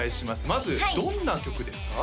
まずどんな曲ですか？